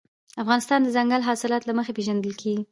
افغانستان د دځنګل حاصلات له مخې پېژندل کېږي.